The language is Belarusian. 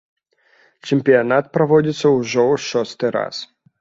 Чэмпіянат праводзіцца ўжо ў шосты раз.